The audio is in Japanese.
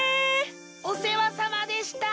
お世話さまでした！